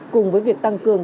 cùng với việc tăng cường